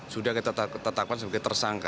sudah kita tetapkan sebagai tersangka